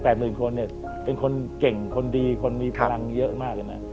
หมื่นคนเนี่ยเป็นคนเก่งคนดีคนมีพลังเยอะมากเลยนะ